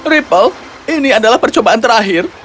ripple ini adalah percobaan terakhir